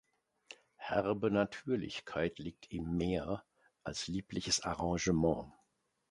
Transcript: Herbe Natürlichkeit liegt ihm mehr als liebliches Arrangement.